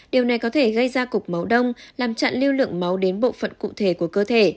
điều này có thể gây ra cục máu đông làm chặn lưu lượng máu đến bộ phận cụ thể của cơ thể